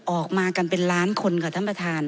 ออกมากันเป็นล้านคนค่ะท่านประธาน